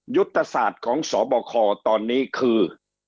ยุทธศาสตร์ของสบคตอนนี้คือ